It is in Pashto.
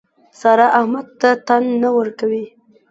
سارا احمد ته تن نه ورکوي.